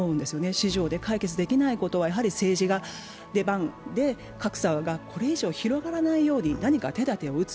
市場で解決できないことはやはり政治が出番で格差がこれ以上広がらないように何か手だてを打つ。